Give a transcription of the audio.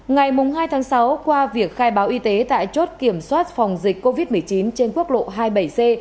ngày hai tháng sáu qua việc khai báo y tế tại chốt kiểm soát phòng dịch covid một mươi chín trên quốc lộ hai mươi bảy c